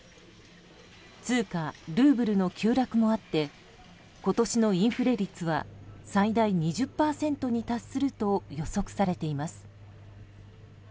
通貨ルーブルの急落もあって今年のインフレ率は最大２０％に達すると予測されています。